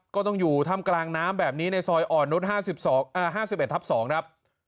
ก็ต้องอยู่ทำกลางน้ำแบบนี้ในซอยอ่อนรถห้าสิบสองอ่าห้าสิบเอ็ดทับสองครับ